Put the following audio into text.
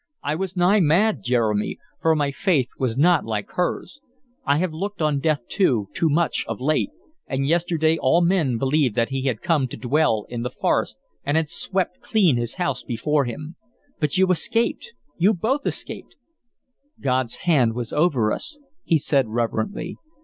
"I was nigh mad, Jeremy, for my faith was not like hers. I have looked on Death too much of late, and yesterday all men believed that he had come to dwell in the forest and had swept clean his house before him. But you escaped, you both escaped" "God's hand was over us," he said reverently.